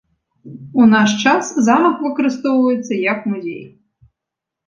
У наш час замак выкарыстоўваецца як музей.